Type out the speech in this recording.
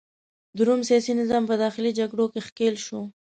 د روم سیاسي نظام په داخلي جګړو کې ښکیل شو.